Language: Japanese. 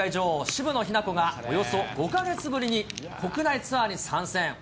渋野日向子が、およそ５か月ぶりに国内ツアーに参戦。